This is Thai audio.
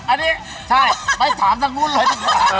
อันที่ใช่ไปตามทั้งทุกหนุ่นเลย